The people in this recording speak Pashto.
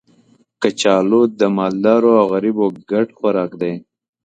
کچالو د مالدارو او غریبو ګډ خوراک دی